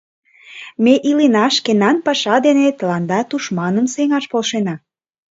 Ме илена, шкенан паша дене тыланда тушманым сеҥаш полшена.